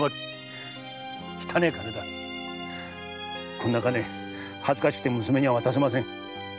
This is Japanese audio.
こんな金恥ずかしくて娘には渡せません。